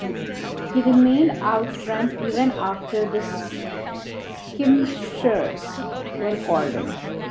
He remained out front even after the skirmishers were called back in.